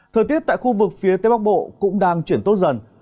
thời tiết tại khu vực phía tây bắc bộ cũng đang chuyển tốt dần